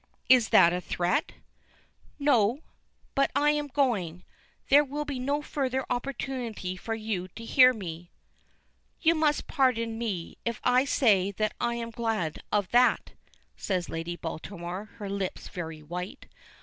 "Is that a threat?" "No; but I am going. There will be no further opportunity for you to hear me." "You must pardon me if I say that I am glad of that," says Lady Baltimore, her lips very white.